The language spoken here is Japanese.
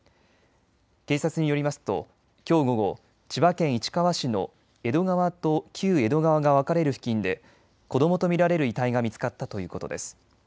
警察によりますときょう午後、千葉県市川市の江戸川と旧江戸川が分かれる付近で子どもと見られる遺体が見つかったということです。